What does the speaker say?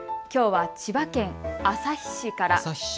きょうは千葉県旭市から。